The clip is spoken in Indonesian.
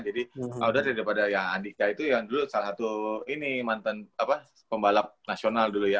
jadi udah daripada ya andika itu yang dulu salah satu ini mantan pembalap nasional dulu ya